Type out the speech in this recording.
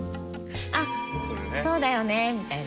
「あっそうだよね」みたいな。